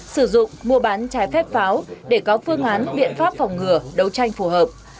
sử dụng mua bán trái phép pháo để có phương án biện pháp phòng ngừa đấu tranh phù hợp